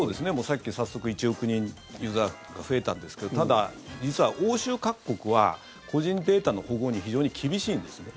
さっき早速１億人ユーザーが増えたんですけどただ、実は欧州各国は個人データの保護に非常に厳しいんですね。